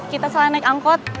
kita salah naik angkot